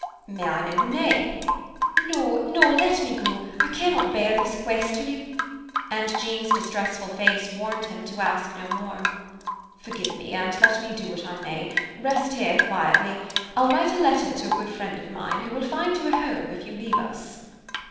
"May I know the name?" "No! No! Let me go; I cannot bear this questioning!" And Jean's distressful face warned him to ask no more. "Forgive me, and let me do what I may. Rest here quietly. I'll write a letter to a good friend of mine, who will find you a home, if you leave us."